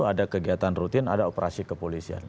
ada kegiatan rutin ada operasi kepolisian